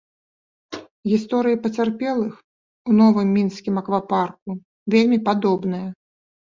Гісторыі пацярпелых у новым мінскім аквапарку вельмі падобныя.